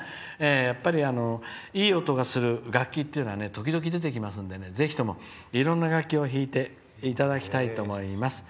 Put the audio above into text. やっぱり、いい音がする楽器っていうのは時々、出てきますので、ぜひともいろんな楽器を弾いていただきたいと思います。